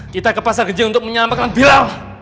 kita ke pasar genjing untuk menyelamatkan bilal